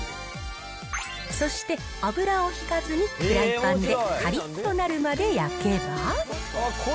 そして、油をひかずにフライパンでかりっとなるまで焼けば。